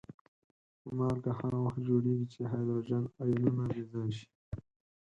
مالګه هغه وخت جوړیږي چې هایدروجن آیونونه بې ځایه شي.